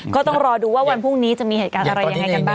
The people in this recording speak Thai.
ก็ต้องรอดูว่าวันพรุ่งนี้จะมีเหตุการณ์อะไรยังไงกันบ้าง